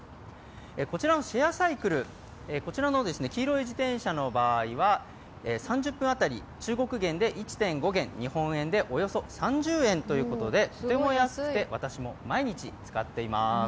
こちらのシェアサイクル、こちらの黄色い自転車の場合は３０分当たり、中国元で１．５元、日本円でおよそ３０円ということでとても安くて私も毎日使っています。